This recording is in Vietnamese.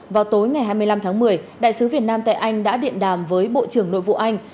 vào tối ngày hai mươi năm tháng một mươi đại sứ việt nam tại anh đã điện đàm với bộ trưởng nội vụ anh